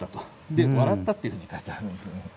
で笑ったっていうふうに書いてあるんですよね。